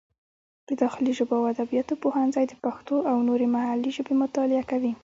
د داخلي ژبو او ادبیاتو پوهنځی د پښتو او نورې محلي ژبې مطالعه کوي.